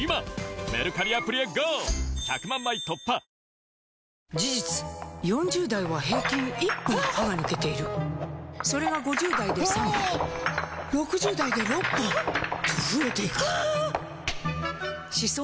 損保ジャパン事実４０代は平均１本歯が抜けているそれが５０代で３本６０代で６本と増えていく歯槽